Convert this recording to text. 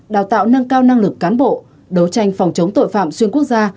đào tạo nâng cao năng lực cán bộ đấu tranh phòng chống tội phạm xuyên quốc gia